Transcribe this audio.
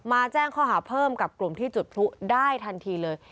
แจ้งข้อหาเพิ่มกับกลุ่มที่จุดพลุได้ทันทีเลย